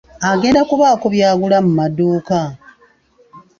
Agenda kubaako by'agula mu maduuka.